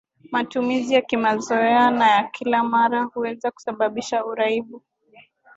Matumizi ya kimazoea na ya kila mara huweza kusababisha uraibu